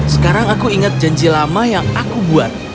sekarang aku ingat janji lama yang aku buat